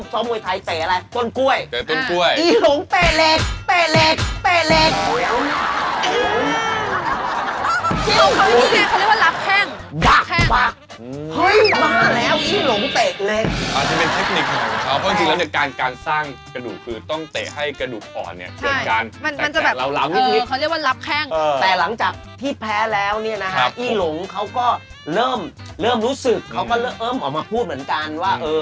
เฮ้ยบ้าแล้วอี่หลงเตะเล็กอาจจะเป็นเทคนิคของเขาเพราะจริงจริงแล้วกันการการสร้างกระดูกคือต้องเตะให้กระดูกอ่อนเนี่ยเกิดการใช่มันมันจะแบบเราร้าวนิดนิดเออเขาเรียกว่ารับแข้งเออแต่หลังจากที่แพ้แล้วเนี่ยนะฮะครับอี่หลงเขาก็เริ่มเริ่มรู้สึกเขาก็เริ่มเอิ่มออกมาพูดเหมื